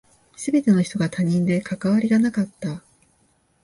全ての人が他人で関わりがなかった。